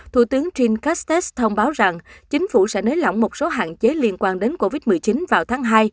thủ tướng jin castex thông báo rằng chính phủ sẽ nới lỏng một số hạn chế liên quan đến covid một mươi chín vào tháng hai